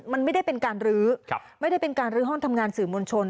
มันไม่ได้เป็นการรื้อไม่ได้เป็นการลื้อห้องทำงานสื่อมวลชน